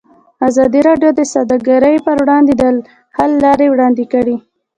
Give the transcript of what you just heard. ازادي راډیو د سوداګري پر وړاندې د حل لارې وړاندې کړي.